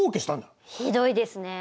ひどいですね！